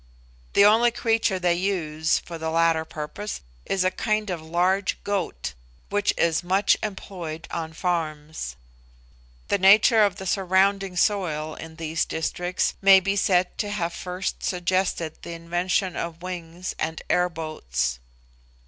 The only creature they use for the latter purpose is a kind of large goat which is much employed on farms. The nature of the surrounding soil in these districts may be said to have first suggested the invention of wings and air boats.